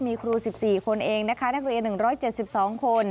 มีครู๑๔คนเองนะคะนักเรียน๑๗๒คน